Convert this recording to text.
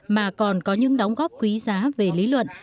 mà còn có những đóng góp quý giá về lý luận